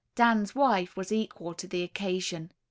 Dan's wife was equal to the occasion.